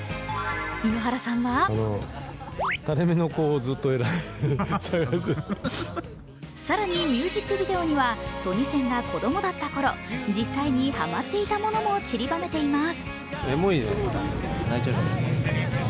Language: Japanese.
井ノ原さんは更にミュージックビデオにはトニセンが子供だったころ、実際にハマっていたものも散りばめています。